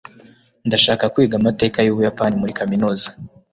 Ndashaka kwiga amateka yUbuyapani muri kaminuza.